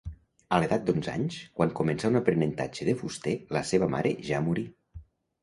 A l'edat d'onze anys, quan començà un aprenentatge de fuster, la seva mare ja morí.